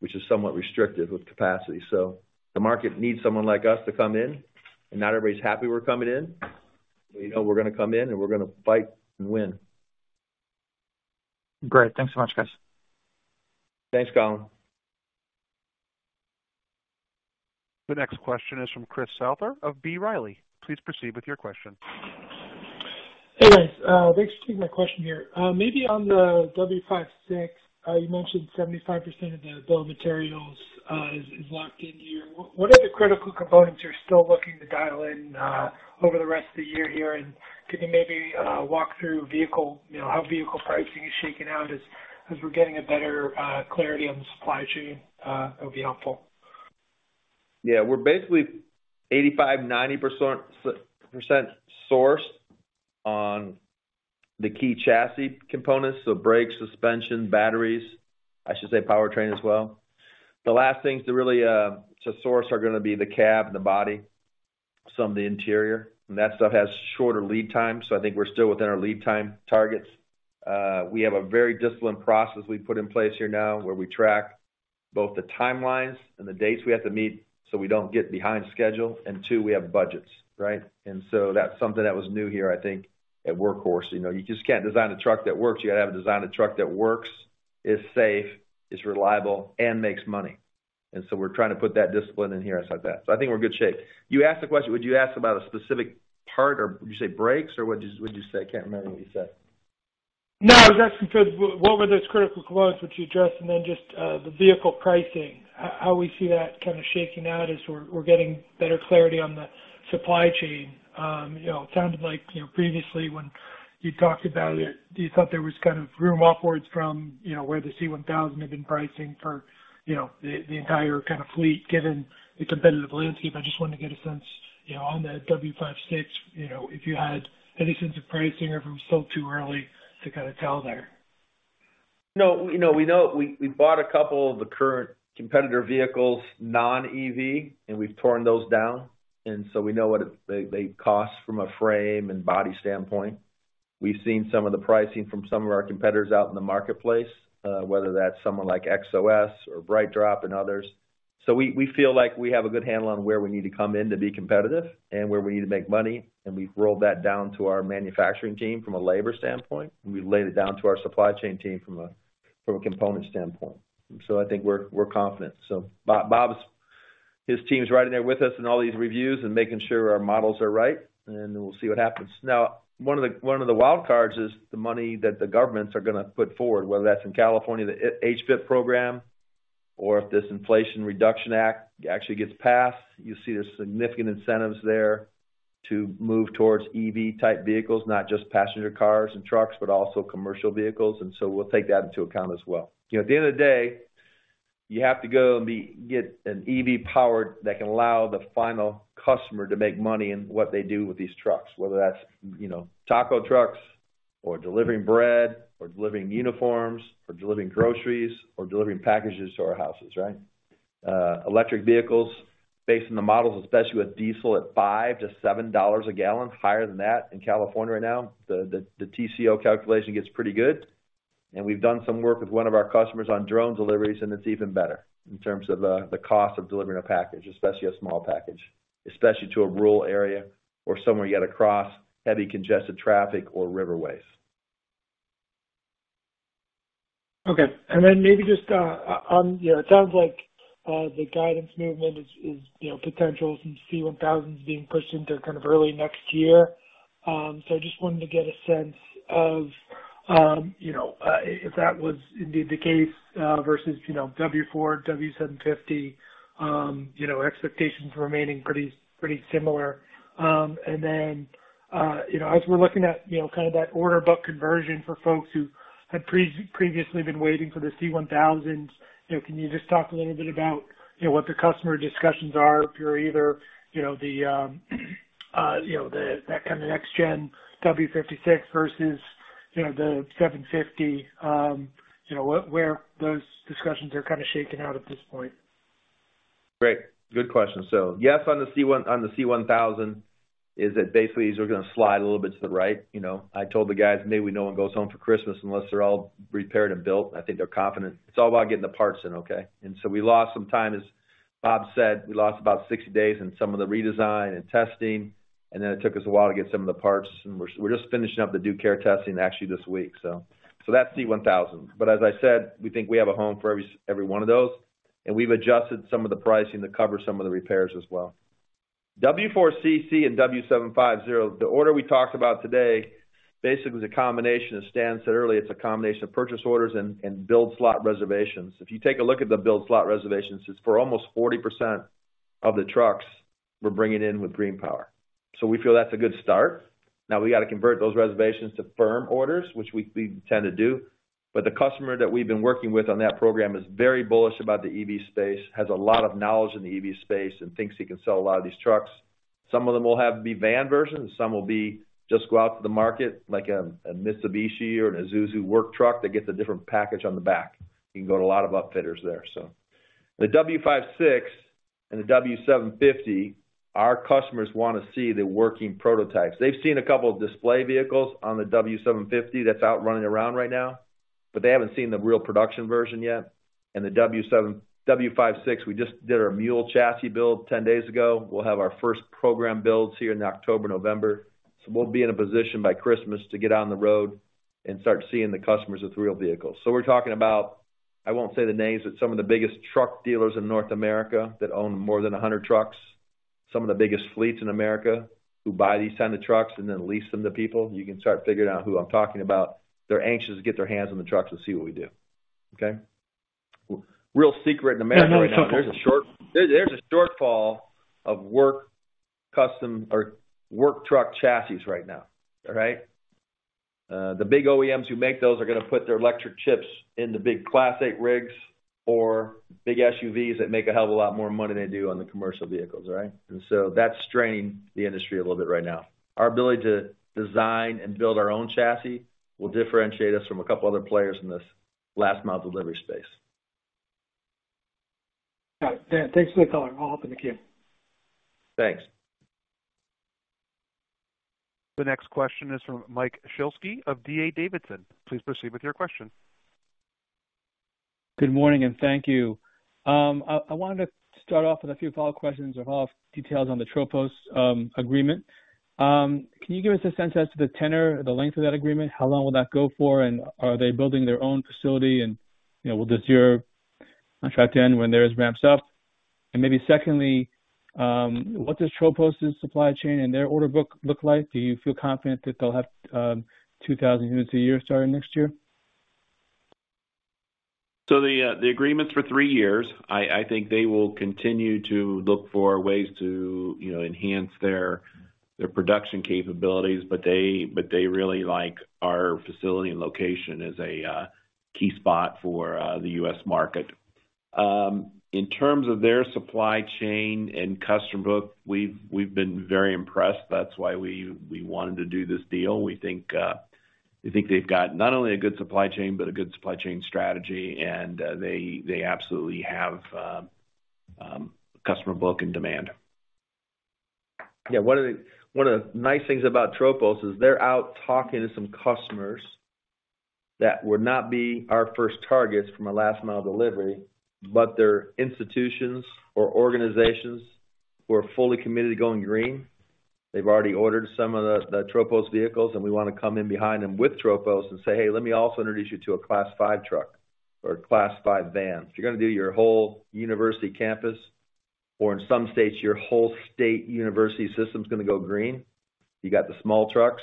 which is somewhat restricted with capacity. The market needs someone like us to come in, and not everybody's happy we're coming in. We know we're gonna come in, and we're gonna fight and win. Great. Thanks so much, guys. Thanks, Colin. The next question is from Chris Souther of B. Riley. Please proceed with your question. Hey, guys. Thanks for taking my question here. Maybe on the W56, you mentioned 75% of the bill of materials is locked in here. What are the critical components you're still looking to dial in over the rest of the year here? Could you maybe walk through vehicle, you know, how vehicle pricing is shaking out as we're getting a better clarity on the supply chain? That would be helpful. Yeah. We're basically 85%-90% sourced on the key chassis components, so brakes, suspension, batteries. I should say powertrain as well. The last things to really to source are gonna be the cab and the body, some of the interior, and that stuff has shorter lead times, so I think we're still within our lead time targets. We have a very disciplined process we've put in place here now where we track both the timelines and the dates we have to meet so we don't get behind schedule. Two, we have budgets, right? That's something that was new here, I think, at Workhorse. You know, you just can't design a truck that works. You gotta design a truck that works, is safe, is reliable, and makes money. We're trying to put that discipline in here as like that. I think we're in good shape. You asked the question. Would you ask about a specific part or would you say brakes, or what'd you say? I can't remember what you said. No, I was asking because what were those critical components which you addressed, and then just the vehicle pricing, how we see that kind of shaking out as we're getting better clarity on the supply chain. You know, it sounded like, you know, previously when you talked about it, you thought there was kind of room upwards from, you know, where the C-1000 had been pricing for, you know, the entire kind of fleet, given the competitive landscape. I just wanted to get a sense, you know, on the W56, you know, if you had any sense of pricing or if it was still too early to kinda tell there. No, you know, we know— We bought a couple of the current competitor vehicles, non-EV, and we've torn those down. We know what they cost from a frame and body standpoint. We've seen some of the pricing from some of our competitors out in the marketplace, whether that's someone like Xos or BrightDrop and others. We feel like we have a good handle on where we need to come in to be competitive and where we need to make money, and we've rolled that down to our manufacturing team from a labor standpoint, and we've laid it down to our supply chain team from a component standpoint. I think we're confident. Bob's, his team's right in there with us in all these reviews and making sure our models are right, and then we'll see what happens. Now, one of the wild cards is the money that the governments are gonna put forward, whether that's in California, the HVIP program, or if this Inflation Reduction Act actually gets passed. You'll see there's significant incentives there to move towards EV-type vehicles, not just passenger cars and trucks, but also commercial vehicles, and we'll take that into account as well. You know, at the end of the day, you have to go and get an EV power that can allow the final customer to make money in what they do with these trucks, whether that's, you know, taco trucks or delivering bread or delivering uniforms or delivering groceries or delivering packages to our houses, right? Electric vehicles, based on the models, especially with diesel at $5-$7 a gallon, higher than that in California right now, the TCO calculation gets pretty good. We've done some work with one of our customers on drone deliveries, and it's even better in terms of the cost of delivering a package, especially a small package, especially to a rural area or somewhere you gotta cross heavy congested traffic or riverways. Okay. Maybe just on, you know, it sounds like the guidance movement is, you know, potentials and C-1000s being pushed into kind of early next year. I just wanted to get a sense of, you know, if that was indeed the case, versus, you know, W4, W750, you know, expectations remaining pretty similar. You know, as we're looking at, you know, kind of that order book conversion for folks who had previously been waiting for the C-1000s, you know, can you just talk a little bit about, you know, what the customer discussions are if you're either, you know, the that kind of next gen W56 versus, you know, the 750, you know, where those discussions are kinda shaking out at this point? Great. Good question. Yes on the C-1000, is that basically these are gonna slide a little bit to the right, you know. I told the guys, "Maybe no one goes home for Christmas unless they're all repaired and built." I think they're confident. It's all about getting the parts in, okay? We lost some time. As Bob said, we lost about 60 days in some of the redesign and testing, and then it took us a while to get some of the parts, and we're just finishing up the due care testing actually this week. That's C-1000. As I said, we think we have a home for every one of those, and we've adjusted some of the pricing to cover some of the repairs as well. W4CC and W750, the order we talked about today basically is a combination. As Stan said earlier, it's a combination of purchase orders and build slot reservations. If you take a look at the build slot reservations, it's for almost 40% of the trucks we're bringing in with GreenPower. We feel that's a good start. Now we gotta convert those reservations to firm orders, which we intend to do. The customer that we've been working with on that program is very bullish about the EV space, has a lot of knowledge in the EV space and thinks he can sell a lot of these trucks. Some of them will have the van version, and some will be just go out to the market like a Mitsubishi or an Isuzu work truck that gets a different package on the back. You can go to a lot of upfitters there, so. The W56 and the W750, our customers wanna see the working prototypes. They've seen a couple of display vehicles on the W750 that's out running around right now, but they haven't seen the real production version yet. The W56, we just did our mule chassis build 10 days ago. We'll have our first program builds here in October, November. We'll be in a position by Christmas to get on the road and start seeing the customers with real vehicles. We're talking about, I won't say the names, but some of the biggest truck dealers in North America that own more than 100 trucks, some of the biggest fleets in America who buy these kind of trucks and then lease them to people. You can start figuring out who I'm talking about. They're anxious to get their hands on the trucks and see what we do. Okay? Real secret in America right now, there's a shortfall of work, custom or work truck chassis right now. All right? The big OEMs who make those are gonna put their electric chips in the big Class eight rigs or big SUVs that make a hell of a lot more money than they do on the commercial vehicles, right? That's strained the industry a little bit right now. Our ability to design and build our own chassis will differentiate us from a couple other players in this last mile delivery space. All right. Dauch, thanks for the color. I'll hop in the queue. Thanks. The next question is from Mike Shlisky of D.A. Davidson. Please proceed with your question. Good morning, thank you. I wanted to start off with a few follow-up questions or follow-up details on the Tropos agreement. Can you give us a sense as to the tenor or the length of that agreement? How long will that go for and are they building their own facility? You know, will this year contract end when theirs ramps up? Maybe secondly, what does Tropos' supply chain and their order book look like? Do you feel confident that they'll have 2,000 units a year starting next year? The agreement's for three years. I think they will continue to look for ways to, you know, enhance their production capabilities, but they really like our facility and location as a key spot for the U.S. market. In terms of their supply chain and customer book, we've been very impressed. That's why we wanted to do this deal. We think they've got not only a good supply chain, but a good supply chain strategy, and they absolutely have a customer book and demand. Yeah, one of the nice things about Tropos is they're out talking to some customers that would not be our first targets from a last mile delivery, but they're institutions or organizations who are fully committed to going green. They've already ordered some of the Tropos vehicles, and we wanna come in behind them with Tropos and say, "Hey, let me also introduce you to a Class five truck or a Class five van." If you're gonna do your whole university campus or in some states, your whole state university system's gonna go green, you got the small trucks,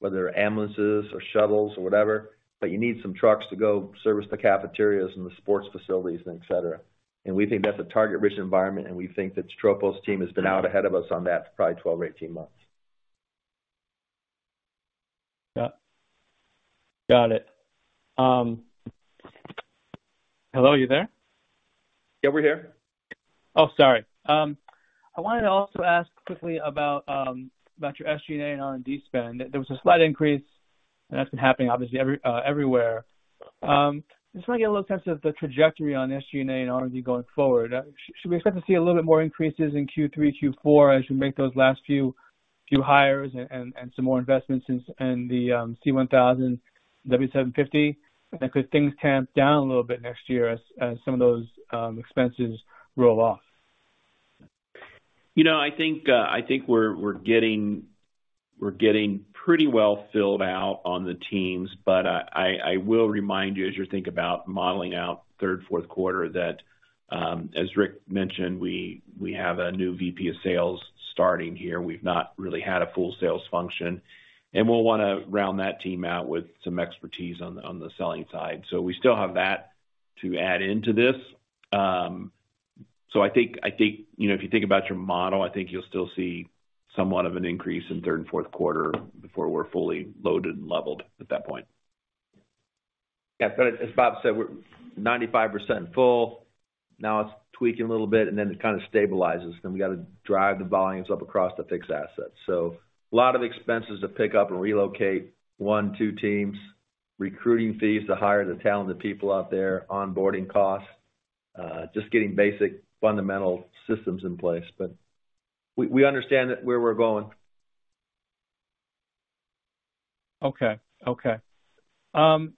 whether ambulances or shuttles or whatever, but you need some trucks to go service the cafeterias and the sports facilities and et cetera. We think that's a target-rich environment, and we think that Tropos team has been out ahead of us on that for probably 12 or 18 months. Yeah. Got it. Hello, are you there? Yeah, we're here. Oh, sorry. I wanted to also ask quickly about your SG&A and R&D spend. There was a slight increase, and that's been happening obviously everywhere. I just wanna get a little sense of the trajectory on SG&A and R&D going forward. Should we expect to see a little bit more increases in Q3, Q4, as you make those last few hires and some more investments in the C-1000 W750? And could things tamp down a little bit next year as some of those expenses roll off? You know, I think we're getting pretty well filled out on the teams, but I will remind you as you think about modeling out third, fourth quarter that, as Rick mentioned, we have a new VP of sales starting here. We've not really had a full sales function, and we'll wanna round that team out with some expertise on the selling side. We still have that to add into this. I think, you know, if you think about your model, I think you'll still see somewhat of an increase in third and fourth quarter before we're fully loaded and leveled at that point. Yeah. As Bob said, we're 95% full. Now it's tweaking a little bit, and then it kind of stabilizes. We gotta drive the volumes up across the fixed assets. A lot of expenses to pick up and relocate one, two teams, recruiting fees to hire the talented people out there, onboarding costs, just getting basic fundamental systems in place. We understand that where we're going. Okay,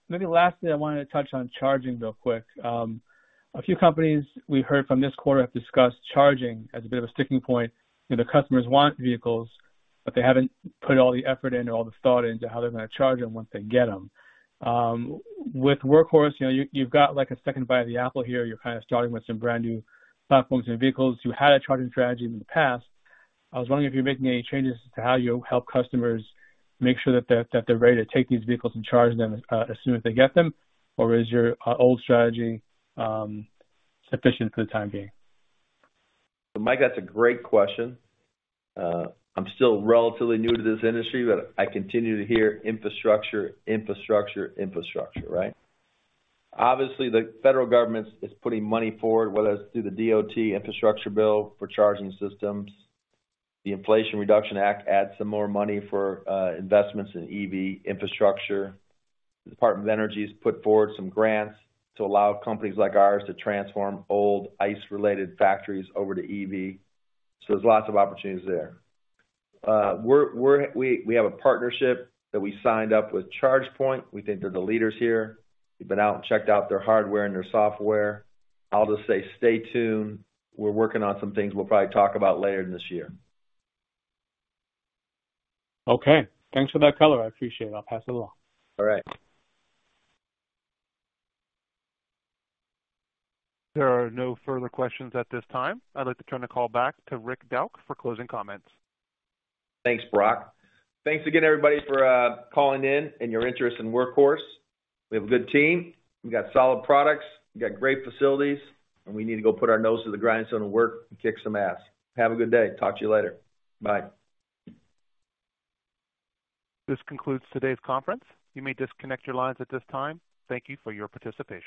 maybe lastly, I wanted to touch on charging real quick. A few companies we heard from this quarter have discussed charging as a bit of a sticking point. You know, the customers want vehicles, but they haven't put all the effort in or all the thought into how they're gonna charge them once they get them. With Workhorse, you know, you've got like a second bite at the apple here. You're kind of starting with some brand new platforms and vehicles. You had a charging strategy in the past. I was wondering if you're making any changes to how you help customers make sure that they're ready to take these vehicles and charge them as soon as they get them, or is your old strategy sufficient for the time being? Mike, that's a great question. I'm still relatively new to this industry, but I continue to hear infrastructure, infrastructure, right? Obviously, the federal government's putting money forward, whether it's through the DOT infrastructure bill for charging systems. The Inflation Reduction Act adds some more money for investments in EV infrastructure. The Department of Energy's put forward some grants to allow companies like ours to transform old ICE-related factories over to EV. There's lots of opportunities there. We're working on some things we'll probably talk about later this year. Okay. Thanks for that color. I appreciate it. I'll pass it along. All right. There are no further questions at this time. I'd like to turn the call back to Rick Dauch for closing comments. Thanks, Brock. Thanks again, everybody, for calling in and your interest in Workhorse. We have a good team. We've got solid products. We've got great facilities, and we need to go put our nose to the grindstone and work and kick some ass. Have a good day. Talk to you later. Bye. This concludes today's conference. You may disconnect your lines at this time. Thank you for your participation.